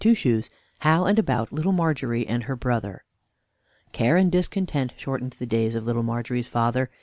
I HOW AND ABOUT LITTLE MARGERY AND HER BROTHER Care and discontent shortened the days of Little Margery's father.